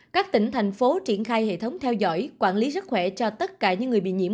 các tỉnh thành phố triển khai hệ thống theo dõi quản lý sức khỏe cho tất cả những người bị nhiễm